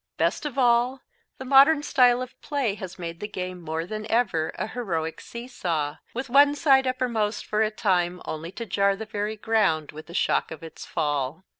Best of all, the modern style of play has made the game more than ever a heroic see saw, with one side uppermost for a time only to jar the very ground with the shock of its fall.